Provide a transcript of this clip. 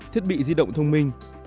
thiết bị di động thông minh